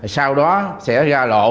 sau đó sẽ ra lộ